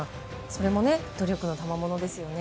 それも努力のたまものですよね。